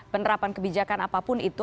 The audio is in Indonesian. penerapan kebijakan apapun itu